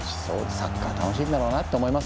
サッカー楽しいんだろうなと思います。